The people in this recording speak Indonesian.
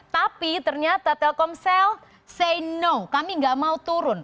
tapi ternyata telkomsel say no kami nggak mau turun